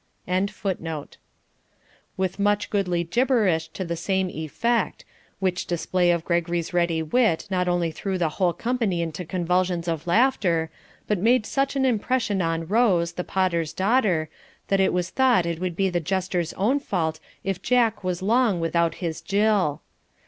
] With much goodly gibberish to the same effect; which display of Gregory's ready wit not only threw the whole company into convulsions of laughter, but made such an impression on Rose, the Potter's daughter, that it was thought it would be the Jester's own fault if Jack was long without his Jill.